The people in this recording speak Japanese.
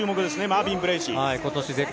マービン・ブレーシー。